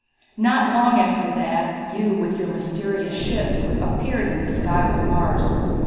"Not long after that, you, with your mysterious ships, appeared in the sky of Mars.